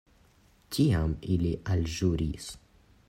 Tiam ili alĵuris.